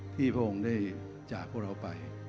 พระองค์ได้จากพวกเราไป